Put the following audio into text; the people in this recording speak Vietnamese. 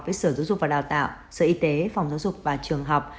với sở giáo dục và đào tạo sở y tế phòng giáo dục và trường học